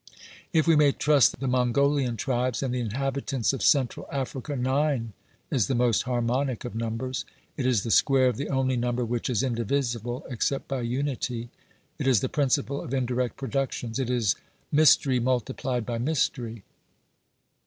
If we may trust the Mongolian tribes and the inhabitants OBERMANN 203 of Central Africa, Nine is the most harmonic of numbers ; it is the square of the only number which is indivisible except by unity ; it is the principle of indirect productions ; it is mystery multiplied by mystery.